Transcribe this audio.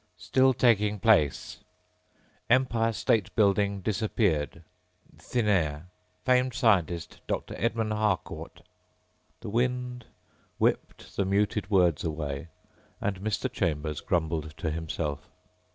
"... still taking place ... Empire State building disappeared ... thin air ... famed scientist, Dr. Edmund Harcourt...." The wind whipped the muted words away and Mr. Chambers grumbled to himself.